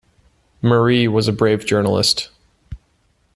Marie was a brave journalist.